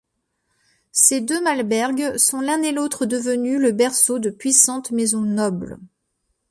Ces deux Malberg sont l'un et l'autre devenus le berceau de puissantes maisons nobles.